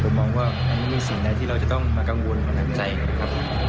ผมมองว่ามันไม่มีสิ่งใดที่เราจะต้องมากังวลกำลังใจนะครับ